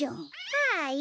はい。